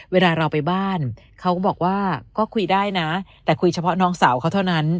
เวลาเราไปบ้านเขาก็บอกว่าก็คุยได้นะแต่คุยเฉพาะน้องสาวเขาเท่านั้น